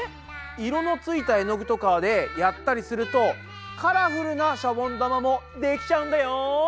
色のついた絵の具とかでやったりするとカラフルなシャボン玉もできちゃうんだよ。